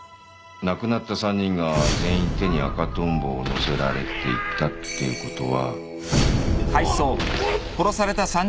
亡くなった３人が全員手に赤トンボを載せられていたっていうことは。